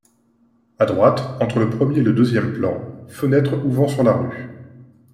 A droite, entre le premier et le deuxième plan, fenêtre ouvrant sur la rue.